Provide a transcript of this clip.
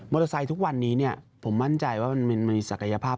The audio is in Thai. มอเตอร์ไซค์ทุกวันนี้ผมมั่นใจว่ามันมีศักยภาพ